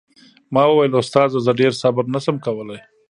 ما وويل استاده زه ډېر صبر نه سم کولاى.